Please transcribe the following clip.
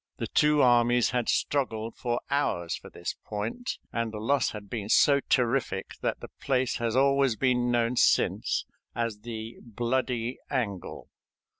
The two armies had struggled for hours for this point, and the loss had been so terrific that the place has always been known since as the "Bloody Angle."